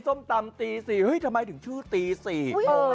ส้มตำตีสี่เฮ้ยทำไมถึงชื่อตี๔